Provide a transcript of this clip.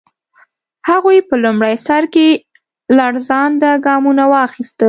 هغوی په لومړي سر کې لړزانده ګامونه واخیستل.